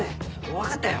分かったよ